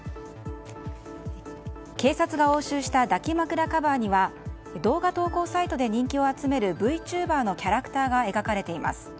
警察が押収した抱き枕カバーには動画投稿サイトで人気を集めるＶｔｕｂｅｒのキャラクターが描かれています。